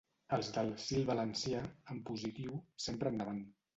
Els del ‘sí al valencià’, en positiu, sempre endavant.